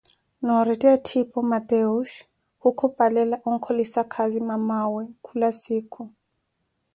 Noorettikhana etthiipo, Mateus khukhupalela onkholisa khaazi mamaa we khula siikhu.